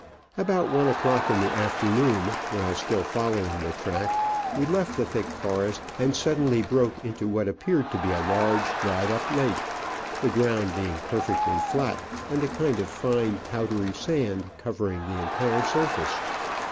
About one o*clock in the afternoon, while still following the track, we left the thick forest and suddenly broke into what appeared to be a large dried up lake, the ground being perfectly flat, and a kind of fine, powdery sand covering the entire surface.